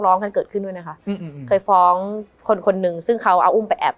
มันทำให้ชีวิตผู้มันไปไม่รอด